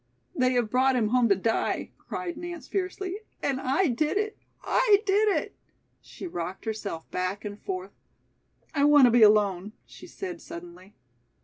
"They have brought him home to die!" cried Nance fiercely. "And I did it. I did it!" she rocked herself back and forth. "I want to be alone," she said suddenly.